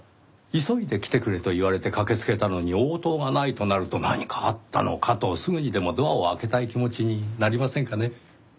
急いで来てくれと言われて駆けつけたのに応答がないとなると何かあったのかとすぐにでもドアを開けたい気持ちになりませんかね？